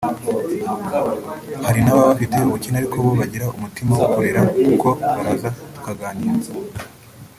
Hari n’ababa bafite ubukene ariko bo bagira umutima wo kurera kuko baraza tukaganira